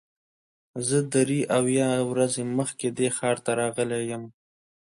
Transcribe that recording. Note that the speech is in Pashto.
زه درې اویا ورځې مخکې دې ښار ته راغلی یم.